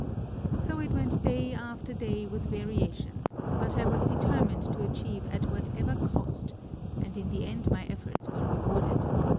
So it went day after day with variations, but I was determined to achieve at what ever cost and in the end my efforts were rewarded.